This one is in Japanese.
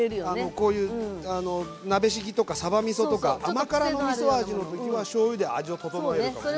こういう鍋しぎとかさばみそとか甘辛のみそ味の時はしょうゆで味を調えるかもね。